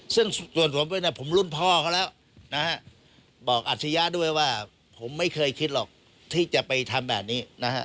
ซึ่งส่วนผมผมรุ่นพ่อเขาแล้วบอกอธิญญาณด้วยว่าผมไม่เคยคิดหรอกที่จะไปทำแบบนี้